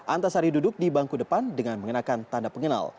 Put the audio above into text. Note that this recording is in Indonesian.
antasari duduk di bangku depan dengan mengenakan tanda pengenal